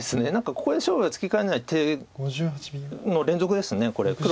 ここで勝負がつきかねない手の連続です。